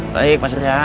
baik pak surya